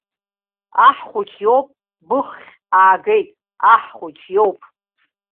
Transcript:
Аҳ хәыҷ иоуп, быххь аагеит, аҳ хәыҷ иоуп.